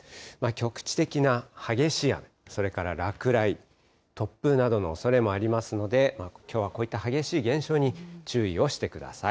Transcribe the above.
局地的な激しい雨、それから落雷、突風などのおそれもありますので、きょうはこういった激しい現象に注意をしてください。